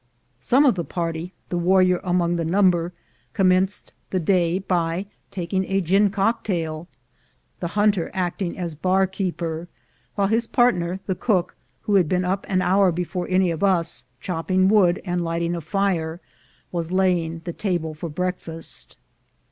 Some of the party, the warrior among the number, commenced the day by taking a gin cocktail, the hunter acting as bar keeper, while his partner the cook, who had been up an hour before any of us, chopping wood and lighting a fire, was laying the table for breakfast.